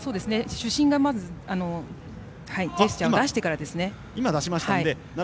主審がジェスチャーを出してからですね。